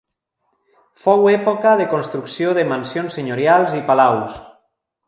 Fou època de construcció de mansions senyorials i palaus.